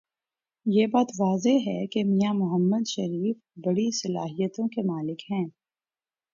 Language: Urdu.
یہ بات واضح ہے کہ میاں محمد شریف بڑی صلاحیتوں کے مالک ہوں۔